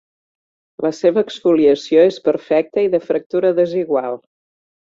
La seva exfoliació és perfecta i de fractura desigual.